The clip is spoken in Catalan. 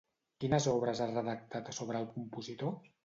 Quines obres ha redactat sobre el compositor?